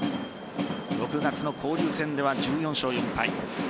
６月の交流戦では１４勝４敗。